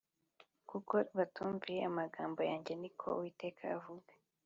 kuko batumviye amagambo yanjye ni ko Uwiteka avuga